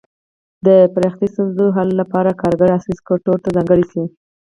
د پراختیايي ستونزو حل لپاره کارګر عصري سکتور ته ځانګړي شي.